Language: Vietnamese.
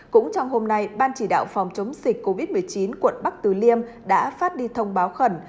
cũng trong hôm nay ban chỉ đạo phòng chống dịch covid một mươi chín quận bắc từ liêm đã phát đi thông báo khẩn